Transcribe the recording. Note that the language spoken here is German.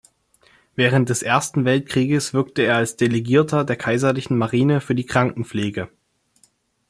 Während des Ersten Weltkrieges wirkte er als Delegierter der Kaiserlichen Marine für die Krankenpflege.